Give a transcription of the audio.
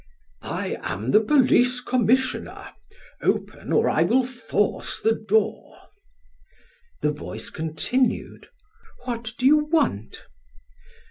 "I am the police commissioner. Open, or I will force the door." The voice continued: "What do you want?"